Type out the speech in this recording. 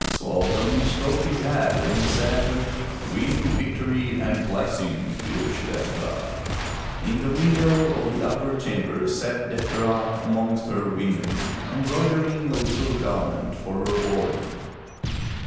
Sualtam stroked his head and said, "Win victory and blessings, dear Setanta!'' In the window of the upper chamber sat Dectera amongst her women, embroidering a little garment for her boy.